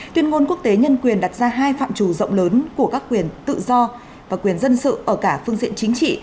tuyên ngôn quốc tế nhân quyền đặt ra hai phạm trù rộng lớn của các quyền tự do và quyền dân sự ở cả phương diện chính trị